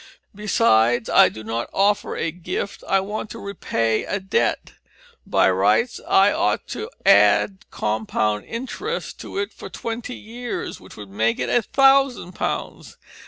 Besides, I do not offer a gift. I want to repay a debt; by rights I ought to add compound interest to it for twenty years, which would make it a thousand pounds.